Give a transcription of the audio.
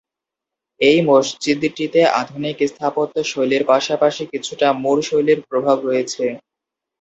এই মসজিদটিতে আধুনিক স্থাপত্য শৈলীর পাশাপাশি কিছুটা মুর শৈলীর প্রভাব রয়েছে।